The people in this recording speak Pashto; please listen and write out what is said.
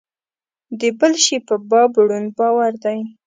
د بل شي په باب ړوند باور دی.